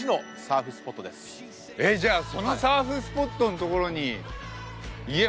えっじゃあそのサーフスポットのところに家。